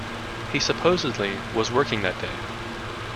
He supposedly was working that day.